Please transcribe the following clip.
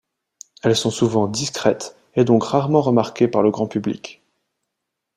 Elles sont souvent discrètes et donc rarement remarquées par le grand public.